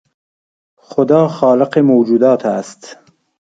خدا خالق موجودات است